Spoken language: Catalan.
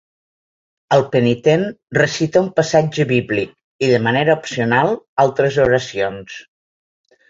El penitent recita un passatge bíblic i, de manera opcional, altres oracions.